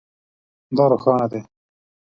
دا روښانه دی